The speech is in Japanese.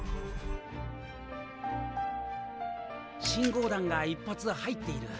信号弾が１発入っている。